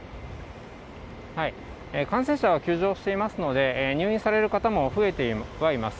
感染者は急増していますので、入院される方も増えてはいます。